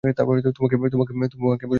তোমাকে বলেছিলাম এটা একটা নেশা।